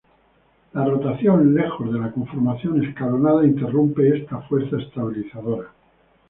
La rotación lejos de la conformación escalonada interrumpe esta fuerza estabilizadora.